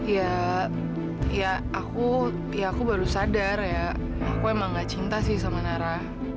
ya aku baru sadar ya aku emang gak cinta sih sama nara